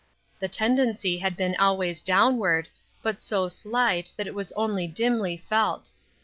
The tendency had been always downward, but so slight, that it was only dimly felt.